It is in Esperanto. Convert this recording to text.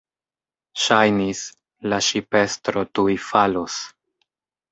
Ŝajnis, la ŝipestro tuj falos.